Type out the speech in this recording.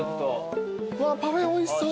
わパフェおいしそう。